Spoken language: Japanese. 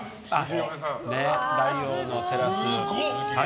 「ライ王のテラス」。